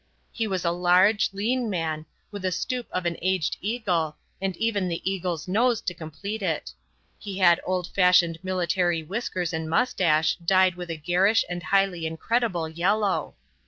He was a large, lean man, with the stoop of an aged eagle, and even the eagle's nose to complete it; he had old fashioned military whiskers and moustache dyed with a garish and highly incredible yellow.